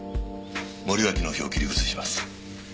森脇の票を切り崩します。